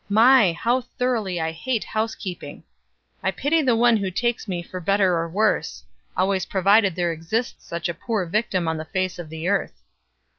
My! how thoroughly I hate housekeeping. I pity the one who takes me for better or worse always provided there exists such a poor victim on the face of the earth."